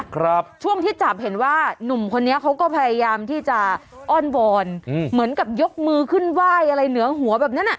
ครับช่วงที่จับเห็นว่านุ่มคนนี้เขาก็พยายามที่จะอ้อนวอนอืมเหมือนกับยกมือขึ้นไหว้อะไรเหนือหัวแบบนั้นอ่ะ